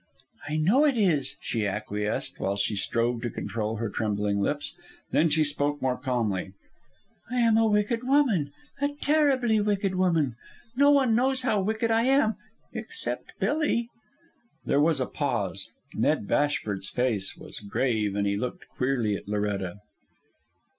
"I know it is," she acquiesced, while she strove to control her trembling lips. Then she spoke more calmly. "I am a wicked woman, a terribly wicked woman. No one knows how wicked I am except Billy." There was a pause. Ned Bashford's face was grave, and he looked queerly at Loretta.